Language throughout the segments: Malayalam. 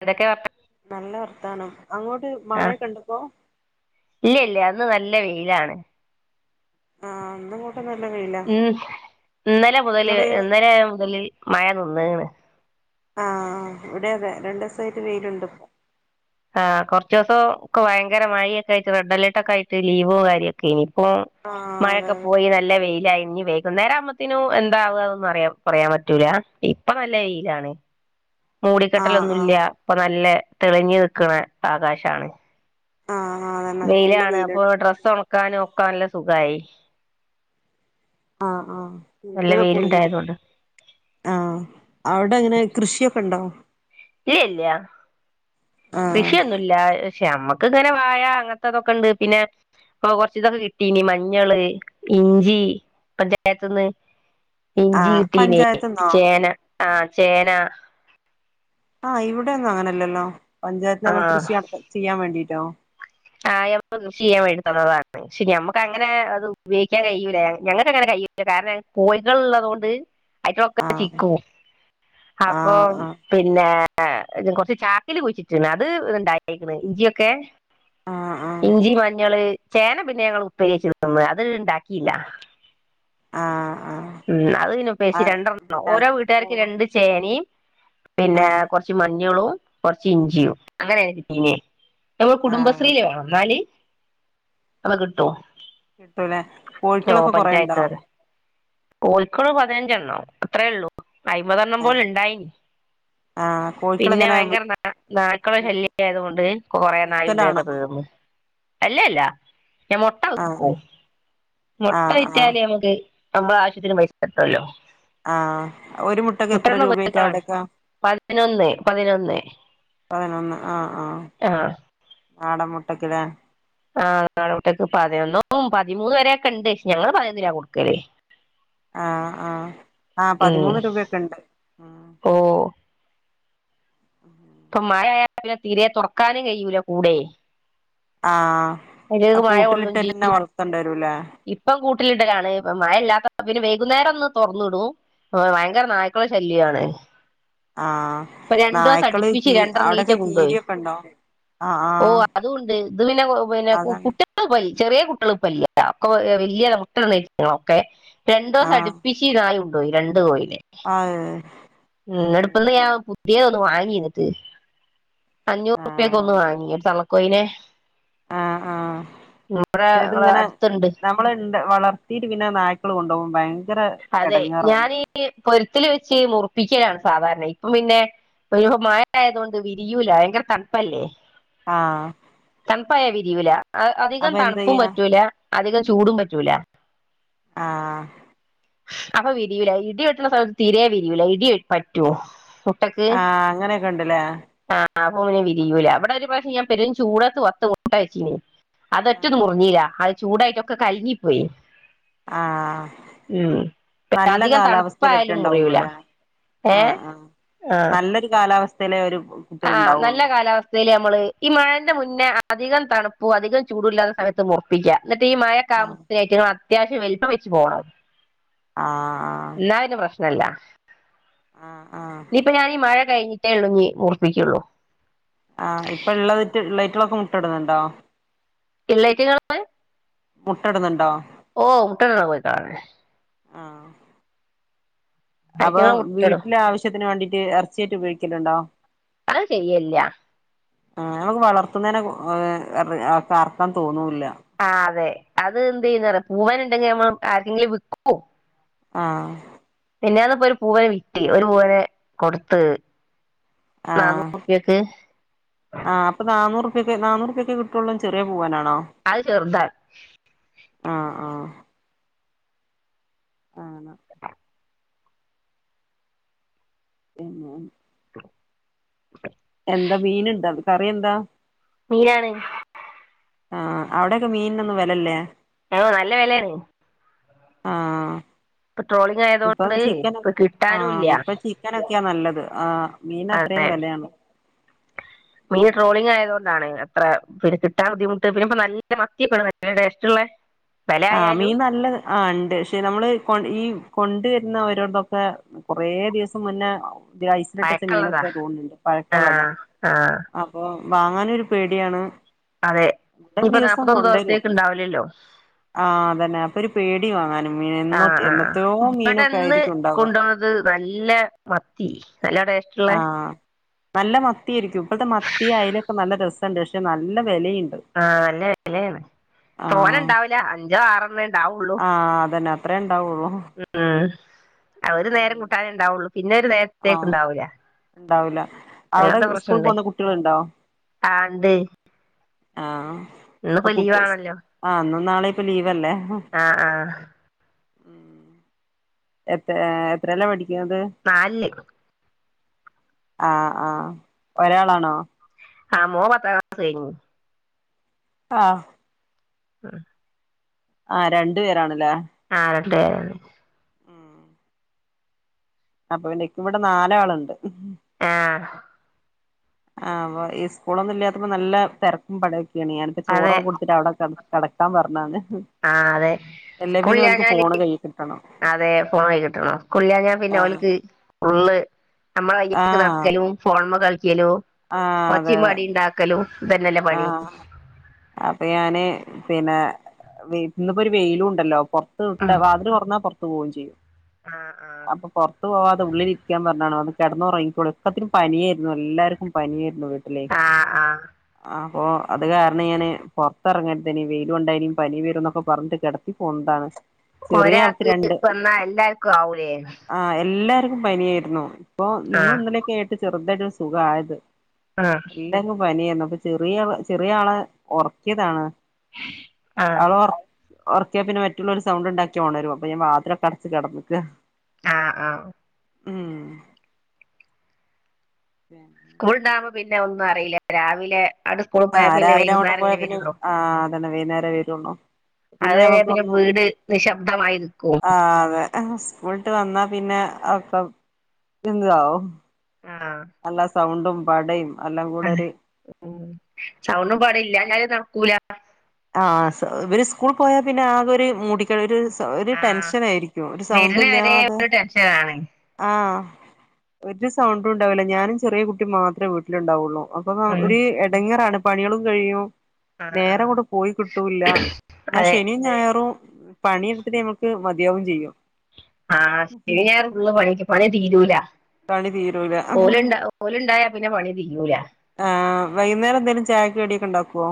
ഇവടൊക്കെ നല്ല വർത്താനം അങ്ങോട്ട് ആഹ് മഴയൊക്കെണ്ടപ്പോ ഇല്ല ഇല്ല ഇന്ന് നല്ല വെയിലാണ് ആഹ് ന്ന് ഉം ഇന്നലെ മുതല് നിങ്ങള് ഇന്നലെ മുതല് മഴ നിന്ന്ണ് ആ ആ ഇവിടെ അതെ രണ്ടസായിട്ട് വെയിലുണ്ട് ഇപ്പം ആ കൊർചോസം ഒക്കെ ഭയങ്കര മഴയൊക്കെ ആയിട്ട് റെഡ് അലർട്ട് ഒക്കെ ആയിട്ട് ലീവും കാര്യക്കേനി ഇപ്പോ ആ അതെ മഴയൊക്കെ അതെ പോയി നല്ല വെയിലായി ഇനി വൈകുന്നേരം ആകുമ്പോത്തിനു എന്താവുന്നൊന്നും അറിയ പറയാൻ പറ്റൂല ഇപ്പൊ നല്ല വെയിലാണ് ആ ആ മൂടിക്കെട്ടലൊന്നുല്ല ഇപ്പൊ നല്ല തെളിഞ്ഞ ക്കണ ആകാശാണ് ആ ആ അതന്നെ നല്ല വെയിലാണ് അപ്പൊ വെയിലുണ്ട് ഡ്രസ്സ് ഉണക്കാനോ ക്കാനല്ല സുഖായി ആ ആ നല്ല ഇന്റത് ഇപ്പം ഉണങ്ങി [unintelligible] വെയിലുണ്ടായതോണ്ട് ആ അവിടെ എങ്ങനെ കൃഷിയൊക്കെ ണ്ടോ ഈ ല്ല ആ കൃഷിയൊന്നുല്ലാ പക്ഷെ നമ്മക്ക് ഇങ്ങനെ വായ അങ്ങനത്തതൊക്കെ ണ്ട് പിന്നെ ഇപ്പൊ കുറച്ച് ഇതൊക്കെ കിട്ടീനി മഞ്ഞള് ഇഞ്ചി പഞ്ചായത്ത്ന്ന് ആ ഇഞ്ചി കിട്ടീനെ പഞ്ചായത്ത്ന്നോ ചേന ആ ചേന ആ ഇവിടെ ഒന്നും അങ്ങനല്ലല്ലോ പഞ്ചായത്തിന്ന് നമ്മൾക്ക് കൃഷി നട ചെയ്യാൻ വേണ്ടിട്ടോ ആ നമ്മക്ക് കൃഷി ചെയ്യാൻ വേണ്ടി തന്നതാണ് പക്ഷെ ഞമ്മക്ക് അങ്ങനെ അത് ഉപ്യോഗിക്കാൻ കയിയൂല ഞങ്ങക്ക് അങ്ങനെ കയിയൂല കാരണം ഞ്ഞ കോയികള ഉള്ളത് കൊണ്ട് ആയിട്ടൊക്കെ ആ ചിക്കും ആ അപ്പൊ ആ പിന്നെ ആ കൊറച്ച് ച്ചാക്കിൽ കുയിച്ചിട്ടിണ്ട് അത് ഇണ്ടായിക്കണ് ഇഞ്ചിയക്കെ ആ ആ ഇഞ്ചി മഞ്ഞള് ചേന പിന്നെ ഞങ്ങൾ ഉപ്പേരി വെച്ച് തിന്ന് അത് ഇണ്ടാക്കിയില്ല ആ ആ ഉം അത് പിന്നെ ഉപ്പേരി ആ വെച്ച് രണ്ടെണ്ണം പിന്നെ ഓരോ വീട്ടുകാർക്കും രണ്ട് ചേനയും ആ പിന്നെ കുറച്ച് മഞ്ഞളും കുറച്ച് ഇഞ്ചിയും അങ്ങനെയാണ് കിട്ടീനി നമ്മൾ ആ കുടുംബശ്രീയിൽ വേണം എന്നാല് അത് കിട്ടും കിട്ടൂല്ലെ കോഴിക്കളൊക്കെ കുറെണ്ടോ കോഴികൾ പതിനഞ്ചണ്ണം അത്രയേ ഉള്ളൂ അയിമ്പതെണ്ണം പോല ഏഹ് ഇണ്ടായിന് ആഹ് പിന്നെ കോഴിക്കളെങ്ങനെ ഭയങ്കര നായ്ക്കളെ വി വി ശല്യ ആയത് കൊണ്ട് കൊറെ നായ് വിക്കലാണോ [unintelligible] തീർന്നു അല്ലല്ല ഞാൻ മുട്ട ആഹ് വിൽക്കും മുട്ട ആഹ് ആഹ് വിറ്റാല് നമുക്ക് നമ്മളെ ആവശ്യത്തിന് പൈസ കിട്ടൂലോ ആഹ് ഒരു മുട്ടക്ക് എത്ര രൂപായിറ്റ കോഴിക്കളാണ് അവിടെക്കാ പതിനൊന്ന് പതിനൊന്ന് പതിനൊന്ന് ആഹ് ആഹ് ആ നാടൻ മുട്ടക്ക്‌ ല്ലേ ആഹ് നാടംമുട്ടേക്ക് പതിനൊന്നും പതിമൂന്ന് വരെെയൊക്കെ ഉണ്ട് ഞങ്ങള് പതിനൊന്ന് രൂപ കൊടുക്കല്ലേ ആഹ് ആഹ് ആഹ് ഉം പതിമൂന്ന് രൂപൊക്കെ ഉണ്ട്. ഓ ഇപ്പൊ മഴ ആയാ പിന്നെ തീരെ തുറക്കാനും കഴൂല കൂടെ ആഹ് അഹ് അതിലേക്ക് മഴ കൊള്ളും ചെയ്യും കൂട്ടിലിട്ട്ന്നന്നെ വളർത്തേണ്ടി വരൂലേ ഇപ്പം കൂട്ടിലിടലാണ് മഴ ഇല്ലാത്ത പിന്നെ വൈകുന്നേരം ഒന്ന് തുറന്നിടും ഭയങ്കര നായ്ക്കള ശല്യാണ് ആഹ് ഇപ്പൊ രണ്ടു ദിവസം നായ്ക്കള് അടുപ്പിച്ച് കി രണ്ടെണ്ണം ഈച്ച അവിടെയൊക്കെ കൊണ്ടുപോയി കീരിയൊക്കെണ്ടോ ആഹ് ആഹ് ന്നെ പിന്നെ അതാണ് [unintelligible] പോയി ചെറിയ കുട്ടികളപ്പല്ല ഒക്കെ വല്യ മുട്ടട്ണേറ്റളാ ഒക്കെ രണ്ടോസ അടുപ്പിച് നായു കോയി രണ്ട് കോയി ആഹ് ഉം നടുപ്ന്ന് ഏഹ് ഞാ പിയെതൊന്ന് വാങ്ങിന്ന്ട്ട്. അഞ്ഞൂറുപ്യക് ആഹ് ഒന്ന് വാങ്ങി ത കൊയിനെ ആഹ് ആഹ് ഞങ്ങളെ ല്ലെത്ങ്ങനെ അടുത്തുണ്ട് നമ്മൾ ഇണ്ട് വളർത്തിട്ട് പിന്നെ നായ് തൊളു കൊണ്ടോഉം ഭയന് അതെ ഞാനീ.. പൊരുത്തിൽ വെച്ച് മുറപ്പിക്കലാണ് സാധാരണ ഇപ്പം പിന്നെ ഒരു മഴ ആയതോണ്ട് വിരിയൂല ഭയങ്കര തണുപ്പല്ലേ ആഹ് തൻപ്പായ വിരിയൂല ആഹാ അധികം അപ്പൊ തണുപ്പും എന്തെയ്യാ പറ്റൂല. അധികം ചൂടും പറ്റൂല. ആഹാ.. അപ്പോ വിരിയൂല ഇടിവെട്ടണ- സമയത്ത് തീരെ വിരിയൂല, ഇടി വെ പറ്റോ? ഉം... ആഹ് അങ്ങനെക്കെണ്ട്ല്ലേ? ആപോ മനെ വിരിയൂല ഇവിടെ ഒരു, പ്രാവശ്യം ഞാൻ പെരും ചൂടത്ത് കൊറച്ച് മുട്ട വച്ചീനി. ആഹ് അതൊറ്റൊന്നും മുറിഞ്ഞിലാ ആഹാ ചൂടായിറ്റൊക്കെ കലങ്ങി പോയി. ആഹാ. നല്ല അധികം കാലാവസ്ഥെ തണുപ്പായാലും മുറിയൂല പറ്റണ്ടാവുള്ളുല്ലേ. ഏ ആഹ് ആഹ് ആഹ് നല്ലൊരു കാലാവസ്ഥല് ഇവര്- ആഹ് നല്ല കാലാവസ്ഥയില് നമ്മള് ഈ മഴേന്റെ മു പിന്നെ അ അധികം തണുപ്പു അധികം ചൂടു ഇല്ലാത്ത സമയത്ത് ഒറപ്പിക്ക്‌യാ എന്നിട്ട് ഈ മഴ ആഹ് [unintelligible] അത്യാവശ്യം വലി‌പ്പം വെച്ച് പോവണത് ആഹ് എല്ലായനും പ്രശ് നല്ല ആഹ് ആഹ് ഇനീപ്പ ഞാൻ ഈ മഴ കഴിഞ്ഞി [unintelligible] ഒഴിക്കേഉള്ളൂ ആഹ് ഇപ്പൊള്ളതിറ്റ് ള്ളറ്റിലൊക്ക മുട്ട ഇട്ന്നുണ്ടോ ഇ [unintelligible] മുട്ട ഇടുന്നുണ്ടോ ഓ മുട്ട ഇടണ കോയി താന്നെ ആഹ് അപ്പൊ അയ്റ്റങ്ങള് മുട്ടയിടും വീട്ടിലെ ആവശ്യത്തിന് വേണ്ടി ക്ക് എറച്ചിയാറ്റ് ഉപയോഗിക്കലൊണ്ടോ അത് ചെയ്യെല്ല ആ ഞങ്ങക്ക് വളർത്തുന്നേനെ [unintelligible] എറ് അർഅറ്ക്കാൻ തോന്നൂ ആഹ് അതെ അത് എന്ത് ചെയ്യുന്നാ പറ പൂവാന്ണ്ടെങ്കി നമ്മ ആർക്കെങ്കിലും വിക്കോ ആഹ് മിന്നാന്ന് ഇപ്പൊ ഒരു പൂവനെ വിട്ട് ഒരു പൂവനെ കൊടുത്ത്. ആ നാന്നൂറുപ്യക്ക് ആ അപ്പൊ നാന്നൂറ് നാന്നൂറുപ്പിയൊക്കെ കിട്ടുള്ളു ചെറിയ പൂവനാ അത് ചെർതാർ ആ ആ [unintelligible] എന്താ മീന് ണ്ടോ കറി എന്താ? മീനാണ്. ആ അവിടെക്കെ മീനിനൊന്നും വെലല്ലേ ഓ നല്ല വെലയാണ് ആ പ്പ ട്രോളിങ് ആയതൊണ്ട് ഇപ്പൊ കിട്ടാനും ഇല്യ ക്കെയാ നല്ലത് ആ മീൻ അത്രയും വെലയാണ്. മീന് ഉം ട്രോളിങ്ങായത് കൊ എന്താണ് അത്ര പിടിച്ചിട്ടാൻ ബുദ്ധിമുട്ട് പിന്നെ ഇപ്പ നല്ല മത്തി നല്ല ടേസ്റ്റ്ള്ളേ ആ മീൻ നല്ല ആ ണ്ട്. ശേ നമ്മള് കൊ ഈ കൊണ്ടുവര്ന്ന ഓരോട്‌തൊക്കെ കൊറേ ദിവസം മുന്നേ ത്യേ ഐസിലിട്ടച്ച പഴക്കമുള്ളതാ മീനൊക്കെ തോന്ന്ണ്ട് പഴക്കള്ളതാ ആഹ് ആഹ് അപ്പൊ വാങ്ങാനൊരു പേടിയാണ് അതെ ഇവിടെ ഇപ്പൊ ദിവസം നാല്പത്തൊന്ന് ദിവസത്തേക്ക് ഇണ്ടാവില്ലല്ലോ ആഹ്തന്നെ അപ്പൊ ഒരു പേടി വാങ്ങാന് ആഹ് ആ ഇവിട്‌ന്ന് ആയിരിക്കും ഉണ്ടാവുക കൊണ്ടന്നത് നല്ല മത്തി നല്ല ടേസ്റ്റ്ള്ളെ ആഹ് നല്ല മത്തി ആയിരിക്കും ഇപ്പോഴത്തെ മത്തി അയലൊക്കെ നല്ല രസണ്ട് പക്ഷെ നല്ല വിലയുണ്ട് ആഹ് [unintelligible] ആഹ് തോനണ്ടാവ്ല്ല അഞ്ചോ ആറണ്ണേ ഇണ്ടാവുള്ളൂ ആഹ് [unintelligible] മ്ഹ് മ്ഹ് ഒര് ഉം നേരം കൂട്ടാനെ ഉണ്ടാവുള്ളു പിന്നൊരു നേരത്തേക്ക് ആഹ് ഇണ്ടാവൂല ഉണ്ടാവൂല അവിടെ അങ്ങനത്തെ സ്കൂൾ പ്രശ്നണ്ട് പോകുന്ന കുട്ടികളുണ്ടോ ആഹ് ആ ഇണ്ട് ആഹ് അപ്പൊ കുട്ടി ആഹ് ഇന്നും നാളെപ്പം ലീവല്ലേ ആഹ് ആഹ് ഉം എത്ര ആഹ് എത്രേല പഠി നാലില് ആഹ് ആഹ് ഒരാളാണോ ആ മോൻ പത്താം ക്ലാസ്സ്‌ കഴിഞ്ഞ് ആഹ് ഉം ആഹ് രണ്ടു പേരാണല്ലേ ആഹ് രണ്ട് പേരാണ് അപ്പൊ പിന്നെക്കിവടെ നാലാള്ണ്ട് ആഹ് ആ വൊ ഈ സ്കൂളൊന്നുല്ലാത്തപ്പോ നല്ല തെരക്കും പടെ കന്യാണ് പ്പ അതെ ചോറൊകെ കൊട്‌ത്തിട്ട് അവിടെ കടക്കാൻ പറഞാന്ന് ആഹ് അതെ സ്കൂളില്ലാഞ്ഞാല് ഫോണ് കൈ കിട്ടണം അതെ ഫോണ് കയ്യ്കിട്ടണം സ്കൂളില്ലാഞ്ഞാ പിന്നെ ആഹ് ഓൽക് ഉള്ള് നമ്മള കയെപിടിച്ചു ആഹ് നടക്കലും ഫോൺമേ കളി കലോ ആഹ് അതെ ഒച്ചിം പടിം ണ്ടാക്കലും ആഹ് അപ്പൊ ഞാന് പിന്നെ [unintelligible] വെയിലുണ്ടല്ലോ പുറത്ത് വിട്ട ഉം വാതില് തൊർന്ന പോ ത്ത് പോവേം ചെയ്യും ആഹ് ആഹ് അപ്പൊ പുറത്തു പോവാത ഉള്ളിൽ ഇരിക്കാൻ പറഞ്ഞാ കിടന്നുറങ്ങിക്കോളൂ ഒക്കത്തിനും പനിയായിരുന്നു എല്ലാർക്കും പനിയായിരുന്നു വി ട്ടില് ആഹ് ആഹ് അപ്പൊ അത് കാരണം ഞാന് പുറത്ത്റങ്ങരുതേന് വെയിലും കൊണ്ടാ യിനിം പനി വരും എന്നൊക്കെ പറഞ് കിടത്തി പോന്നതാണ് ചെറിയ ആൾക്ക് ഒരാൾക്ക് രണ്ട് വന്നാ എല്ലാർക്കും ആവൂലേ ക്കും പനിയായിരുന്നു ഇപ്പോ ഇന്ന് ആഹ് ഇന്നലെക്കായിട്ട് ചെ യിട്ട ഒരു സുഖായത് ആഹ് എല്ലാർക്കും പനിയെന്നു ചെറിയ ചെറിയ ആളെ ഉറക്കിയതാണ് ആഹ് [unintelligible] ഉറക്ക്യ പിന്നെ മറ്റുള്ളരു സൗണ്ട്ണ്ടാക്കിയാ ഉണരും അപ്പ ഞാൻ വാതിൽ അടച്ച് കിടക്ക ആ ആ ഉം [inaudible] സ്കൂളുണ്ടാവകുമ്പോ പിന്നെ ഒന്നും അറിയില്ല രാവിലെ ആണ്ട് സ്കൂളിൽ ആ പോയാ പിന്നെ രാവിലെ അങ്ങോട്ട് വൈകുന്നേരല്ലേ പോയപിന്നെ വരുള്ളൂ ആ അതെ വെയ്നേരം വേരുള്ളു പിന്നെ അതുവരെ നമക്കൊന്നു വീട് നിശബ്ദമായി നിക്കും ആ അതെ സ്കൂള് ട്ട് വന്നാ പിന്നെ അക്ക [unintelligible] ആഹ് നല്ലസൗണ്ടും പടയും എല്ലാം കൂടെ അതെ ഒരു ഉം സൗണ്ടും പാടിം ഇല്ലാഞ്ഞാലും നടക്കൂല ആ ഇവര് സ്കൂൾ പോയാ പിന്നെ ആകെ ഒരു മൂടിക് ഒരു ഒരു ആഹ് ടെൻഷൻ ആയിരിക്കും ഒരു സൗണ്ടും വരുന്ന വരെ ഇല്ലാതെ ഒരു ടെൻഷനാണ് ആ ഒരു സൗണ്ടും ഉണ്ടാവില്ല ഞാനും ചെറിയ കുട്ടി മാത്ര വീട്ടിലുണ്ടാവുള്ളൂ അപ്പൊ ഒരു എടങ്ങേറാണ് പണികളും കഴിയും അ അ അ അ നേരം അങ്ങോട്ട് പോയി കിട്ടൂല്ല എന്നാ ശനിം ഞായറും പണിയെടുത്തിട്ട് നമ്മക്ക് മതിയാവും ചെയ്യും ആ ശനി ഞായറും പണിക്ക് പണി തീരൂല പണി തീരൂല ഓലുണ്ട ഓലുണ്ടായ പിന്നെപണി തീരൂല ആ വൈകുന്നേരം എന്തെക്കിലും ചായക്ക് കടിയൊക്കെ ഉണ്ടാക്കുവോ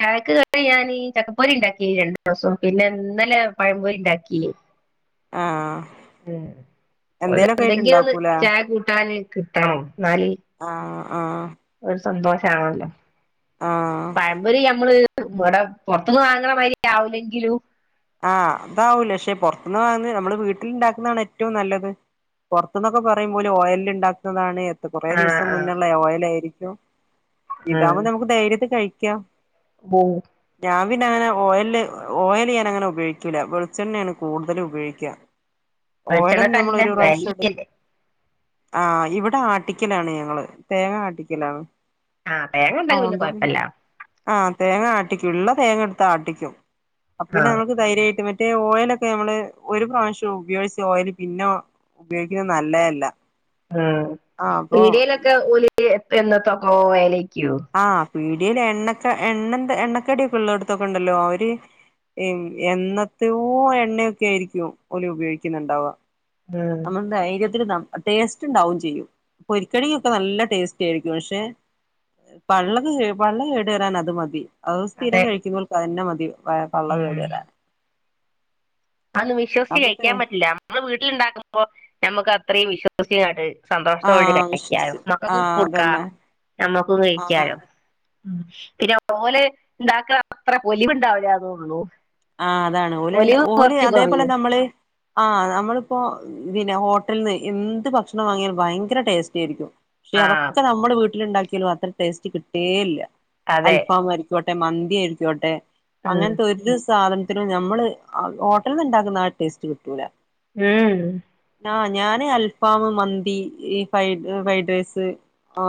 ചായക്ക് കടി ഞാന് ചക്കപ്പൊരി ഉണ്ടാക്കി രണ്ടു ദിവസം പിന്നെ ഇന്നല്ലെ പഴംപൊരി ഉണ്ടാക്കി ആ എന്തേലൊക്കെ ആയിട്ട് എന്തെങ്കിലും ഒന്ന് ഇണ്ടാക്കൂലേ ചായ കൂട്ടാന് കിട്ടണം എന്നാല് ആഹ് ഒരു സന്തോഷം ആണല്ലോ ആ പഴമ്പൊരി നമ്മള് ഇവിടെ പൊറത്തൂന്ന് വാങ്ങണ മാതിരി ആവില്ലെങ്കിലും ആഹ് അതാവൂല്ല പക്ഷെ പുറത്തുനിന്ന് വാങ്ങുന്ന നമ്മള് വീട്ടിലുണ്ടാക്കുന്നതാണ് ഏറ്റവും നല്ലത്. പുറത്തൂന്നൊക്കെ പറയുമ്പോ ഓയിലിൽ ഉണ്ടാക്കുന്നതാണ്. കുറേ ആഹ് ദിവസം ആഹ് മുന്നുള്ള ഓയിലാ യിരിക്കും ഇ [inaudible] ഇതാകുമ്പോ ഉം നമുക്ക് ധൈരൃത്തെ കഴി [unintelligible] ഓ ഞാൻ പിന്നെങ്ങനെ ഓയിലിൽ ഓയിലു ഞാനെങ്ങനെ? ഉപയോഗിക്കില്ല. വെളിച്ചെണ്ണയാണ് കൂടുതല് ഉപയോഗിക്കുക. വെളിച്ചെണ്ണക്ക് നല്ല വിലയല്ലേ ആ ഇവിടെ ആട്ടിക്കലാണ് ഞങ്ങള്, തേങ്ങ ആട്ടിക്കലാണ്. ആഹ് തേങ്ങയുണ്ടാകിൽ പിന്നെ അതുകൊണ്ട് കൊഴപ്പില്ല ആഹ് തേങ്ങ ആട്ടിക്കും, ഇള്ള തേങ്ങ എടുത്ത് ആട്ടിക്കും. അപ്പിന്നെ ആഹ് നമുക്ക് ധൈര്യമായിട്ട് പറ്റ് മറ്റേ ഓയിലൊക്കെ നമ്മള് ഒരു പ്രാവശ്യം ഉപയോഗിച്ച് ഓയില് പിന്നെ ഉപയോഗിക്കുന്നത് നല്ലതല്ല. ഉം ആ അപ്പൊ പീടികയിലൊക്കെ ഓലി എന്ത തക്കോ വലക്ക് [unintelligible] പക്കൂ [unintelligible] പിടിയേൽ എണ്ണക്ക എണ്ണന്ത എണ്ണക്കടിയുള്ളടുത്തൊക്കെ ഉണ്ടല്ലോ അവര് എന്നത്തയ്യോ എണ്ണയൊക്കെ ആയിരിക്കും ഓല് ഉപയോഗിക്കുന്നുണ്ടാവുക. ഉം നമ്മൾ ധൈരൃം ടേസ്റ്റുണ്ടാകുകയും ചെയ്യും. പൊരിക്കടി യൊക്കെ നല്ല ടേസ്റ്റിയായിരിക്കും പക്ഷേ പള്ളക്ക് പള്ള കേടുവരാൻ അതുമതി. അത് സ്ഥിരം അതെ കഴിക്കുന്നവർക്ക് അതന്നെ മതി വ പള്ളത് കേടുവരാണ് അതൊന്ന് വിശ്വസിച്ച് കഴിക്കാൻ പറ്റില്ല, നമ്മള് വീട്ടിലുണ്ടാക്കുമ്പോ ഞമ്മക്ക് അത്രയും [unintelligible] ആ സന്തോഷത്തോടെ കഴിക്കാലോ വിശ്വസിച്ച് ആ മക്കൾക്കും കൊടുക്കാം, അതന്നെ നമ്മക്കും ആ കഴിക്കാലോ ഉ പിന്നെ ഓല് ഉണ്ടാക്കുക അത്ര പൊലിിവുണ്ടാവില്ലന്നേ ഉള്ളൂ ആ അതാണ് ഓല് ഓല് അതേപോലെ കൊറയും നമ്മള് ആഹ് നമ്മളിപ്പോ ഹോട്ടലിൽ നിന്ന് എന്ത് ഭക്ഷണം വാങ്ങിയാലും ഭയങ്കര ടേസ്റ്റിയായിരിക്കും. പക്ഷെ ആഹ് അവക്ക് നമ്മുടെ വീട്ടി വീട്ടിലുണ്ടാക്കിയാലും അത്ര ടേസ്റ്റ് കിട്ടുകേയില്ല. അതെ അൽഫാം ആയിക്കോട്ടെ മന്തി ആയിക്കോട്ടെ ഉം അങ്ങനത്ത ഒരു സ് സാധനത്തിന് നമ്മള് ഹോട്ടലന്നുണ്ടാക്കുന്ന ആ ടേസ്റ്റ് കിട്ടൂല്ല ഉ ഉ ആ ഞാന് അൽഫാം മന്തി ഈ ഫൈ ഫ്രൈഡ് റൈസ്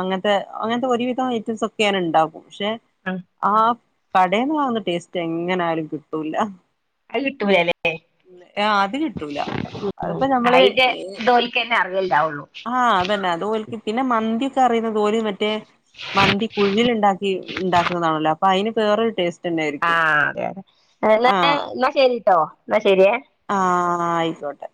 അങ്ങനത്തെ അങ്ങനത്തെ ഒരുവിധം ഐറ്റംസ് ഒക്കെ ഞാൻ ഉണ്ടാക്കും ക്ഷേ ആ കടേന്ന് വാങ്ങുന്ന ടേസ്റ്റ് എങ്ങനെയാലും കി കിട്ടൂല അത് കിട്ടൂല മ് അത് കിട്ടൂല അയിന്റെ ഇത് ഓൾക്കെന്നെ അറിയുള്ളൂ ആ അതന്നെ അത് ഓല്ക്ക് പിന്നെ മന്തി [unintelligible] മറ്റേ മന്തി കുഴീല് ഉണ്ടാക്കി ഉണ്ടാക്കുന്നതാണല്ലോ അയിന് വേറൊരു ടേസ്റ്റ് തന്നെ ആ ആയിരിക്കും അതെ അതെ എന്നാ ശരിട്ടോ എന്നാ ശരിയെ ആ ആയിക്കോട്ടെ